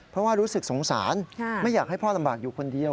เพราะว่ารู้สึกสงสารไม่อยากให้พ่อลำบากอยู่คนเดียว